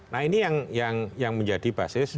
nah ini yang menjadi basis administratif mereka